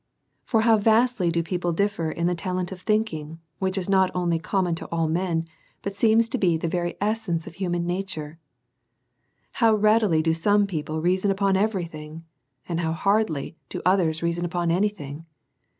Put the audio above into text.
For, how vastly do people difler in the talent of 188 A SERIOUS CALL TO A thinking, which is not only common to all men, but seems to be the very essence of human nature ! How readily do some people reason upon every thing, and how hardly do others reason upon any thing